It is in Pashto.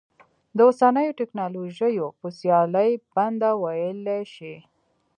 د اوسنیو ټکنالوژیو په سیالۍ بنده ویلی شي.